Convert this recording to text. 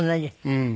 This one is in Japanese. うん。